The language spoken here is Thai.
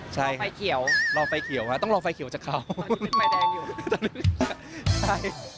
ใช่ค่ะรอไฟเขียวต้องรอไฟเขียวจากเขาตอนนี้มีไฟแดงอยู่